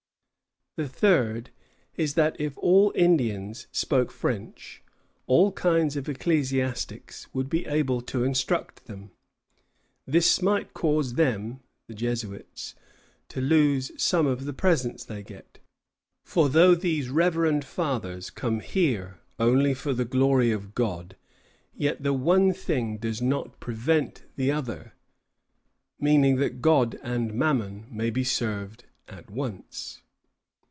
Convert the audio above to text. The third is that if all Indians spoke French, all kinds of ecclesiastics would be able to instruct them. This might cause them [the Jesuits] to lose some of the presents they get; for though these Reverend Fathers come here only for the glory of God, yet the one thing does not prevent the other," meaning that God and Mammon may be served at once.